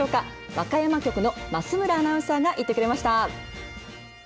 和歌山局の増村アナウンサーが行ってくれました。